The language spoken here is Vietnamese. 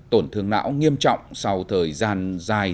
tổn thương não nghiêm trọng sau thời gian dài